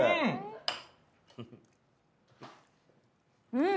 うん！